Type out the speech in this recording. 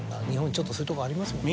ちょっとそういうとこありますもんね。